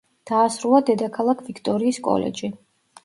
დაასრულა დედაქალაქ ვიქტორიის კოლეჯი.